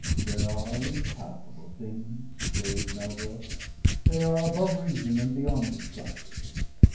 "There are impalpable things," waived Melville. "They are above reason and beyond describing."